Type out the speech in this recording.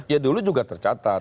ya dulu juga tercatat